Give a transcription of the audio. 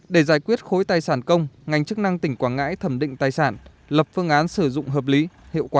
để giải quyết khối tài sản công ngành chức năng tỉnh quảng ngãi thẩm định tài sản lập phương án sử dụng hợp lý hiệu quả